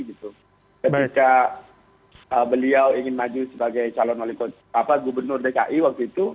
ketika beliau ingin maju sebagai calon gubernur dki waktu itu